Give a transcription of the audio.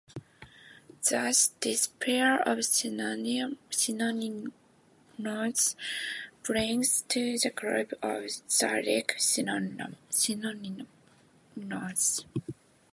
Thus, this pair of synonyms belongs to the group of stylistic synonyms.